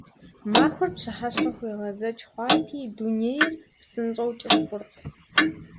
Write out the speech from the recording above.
Махуэр пщыхьэщхьэ хуегъэзэкӀ хъуати, дунейр псынщӀэу кӀыфӀ хъурт.